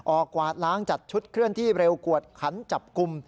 กวาดล้างจัดชุดเคลื่อนที่เร็วกวดขันจับกลุ่ม